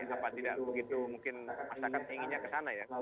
kenapa tidak begitu mungkin masyarakat inginnya ke sana ya